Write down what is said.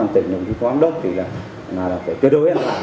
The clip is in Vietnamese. tỉnh đồng phí phó án đốc là phải tiêu đối an toàn